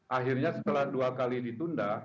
akhirnya setelah dua kali ditunda